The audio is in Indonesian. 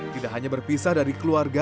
tidak hanya berpisah dari keluarga